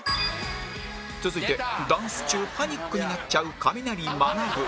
続いてダンス中パニックになっちゃうかみなりまなぶ